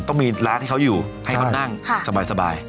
ต้องมีร้านให้เขาอยู่ให้เขานั่งสบาย